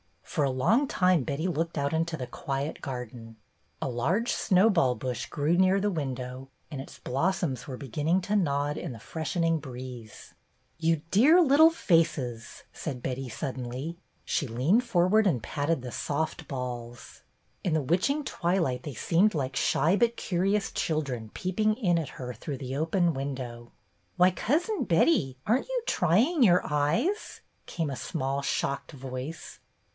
For a long time Betty looked out into the quiet garden. A large snowball bush grew near the window, and its blossoms were be ginning to nod in the freshening breeze. 2 BETTY BAIRD'S GOLDEN YEAR "You dear little faces!" said Betty, sud denly. She leaned forward and patted the soft balls. In the witching twilight they seemed like shy but curious children peeping in at her through the open window. "Why, Cousin Betty, are n't you trying your eyes?" came a small shocked voice.